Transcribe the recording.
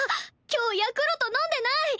今日「ヤクロト」飲んでない！